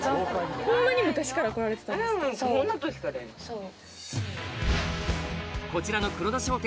そう。